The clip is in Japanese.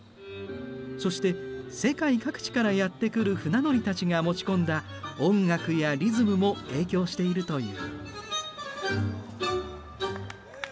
そして世界各地からやって来る船乗りたちが持ち込んだ音楽やリズムも影響しているという。